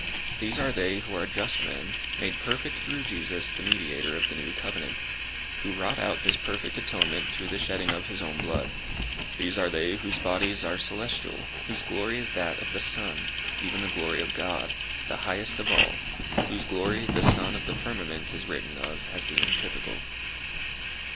These are they who are just men made perfect through Jesus the mediator of the new covenant, who wrought out this perfect atonement through the shedding of his own blood. These are they whose bodies are celestial whose glory is that of the sun, even the glory of God, the highest of all, whose glory the sun of the firmament is written of as being typical.